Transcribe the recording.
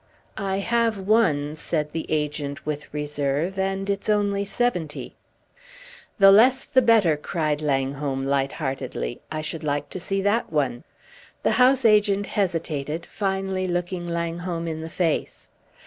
"I have one," said the agent with reserve, "and it's only seventy." "The less the better," cried Langholm, light heartedly. "I should like to see that one." The house agent hesitated, finally looking Langholm in the face.